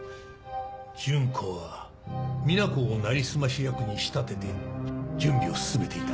順子はみな子をなりすまし役に仕立てて準備を進めていた。